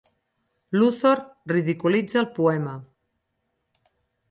Luthor ridiculitza el poema.